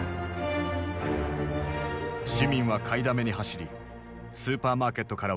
市民は買いだめに走りスーパーマーケットからは食料や医薬品が消えた。